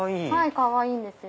かわいいんですよ。